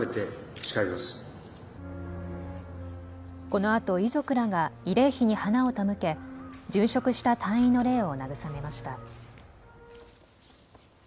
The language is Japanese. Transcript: このあと遺族らが慰霊碑に花を手向け殉職した隊員の霊を慰めました。